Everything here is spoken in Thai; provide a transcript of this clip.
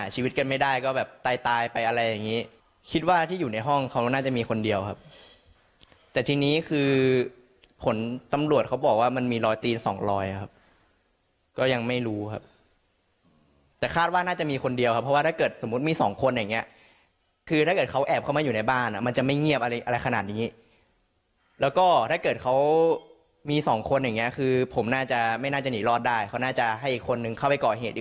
ชีวิตกันไม่ได้ก็แบบตายตายไปอะไรอย่างนี้คิดว่าที่อยู่ในห้องเขาน่าจะมีคนเดียวครับแต่ทีนี้คือผลตำรวจเขาบอกว่ามันมีรอยตีนสองรอยครับก็ยังไม่รู้ครับแต่คาดว่าน่าจะมีคนเดียวครับเพราะว่าถ้าเกิดสมมุติมีสองคนอย่างเงี้ยคือถ้าเกิดเขาแอบเข้ามาอยู่ในบ้านอ่ะมันจะไม่เงียบอะไรอะไรขนาดนี้แล้วก็ถ้าเกิ